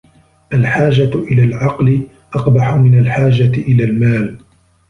الْحَاجَةُ إلَى الْعَقْلِ أَقْبَحُ مِنْ الْحَاجَةِ إلَى الْمَالِ